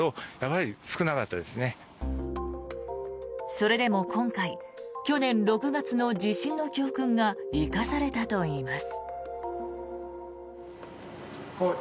それでも今回去年６月の地震の教訓が生かされたといいます。